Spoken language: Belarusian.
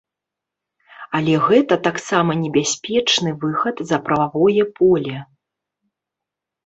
Але гэта таксама небяспечны выхад за прававое поле.